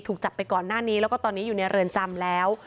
ถูกจับไปก่อนหน้านี้แล้วก็ตอนนี้อยู่ในเรือนจำแล้ว